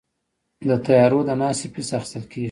د طیارو د ناستې فیس اخیستل کیږي؟